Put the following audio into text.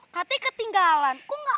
katanya ketinggalan kok gak ada